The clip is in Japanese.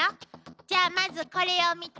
じゃあまずこれを見て。